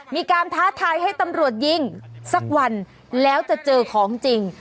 ท้าทายให้ตำรวจยิงสักวันแล้วจะเจอของจริง